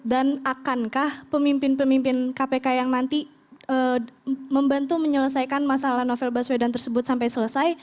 dan akankah pemimpin pemimpin kpk yang nanti membantu menyelesaikan masalah novel baswedan tersebut sampai selesai